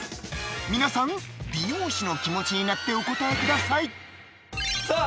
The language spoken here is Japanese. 皆さん美容師の気持ちになってお答えくださいさあ